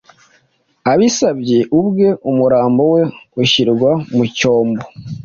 Abisabye ubweumurambo we ushyirwa mu cyombo